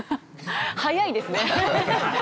早いですね。